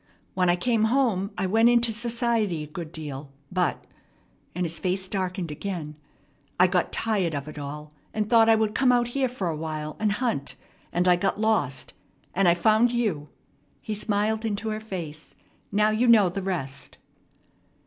When I came home, I went into society a good deal. But" and his face darkened again "I got tired of it all, and thought I would come out here for a while and hunt, and I got lost, and I found you!" He smiled into her face. "Now you know the rest."